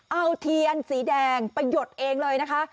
เอาเทียนสีแดงไปหยดเองเลยนะคะ